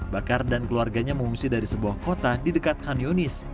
bakar dan keluarganya mengungsi dari sebuah kota di dekat hanyuonis